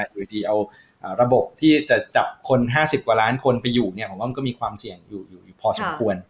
อยู่ดีเอาระบบที่จะจับคน๕๐กว่าล้านคนไปอยู่ผมว่ามันก็มีความเสี่ยงอยู่พอสมควร